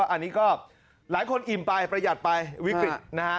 อันนี้ก็หลายคนอิ่มไปประหยัดไปวิกฤตนะฮะ